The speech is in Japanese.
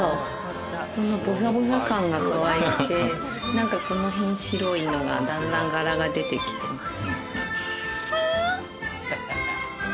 何かこの辺白いのがだんだん柄が出てきてます。